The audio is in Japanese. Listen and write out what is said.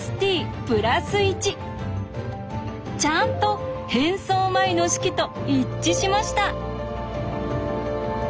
ちゃんと変装前の式と一致しました！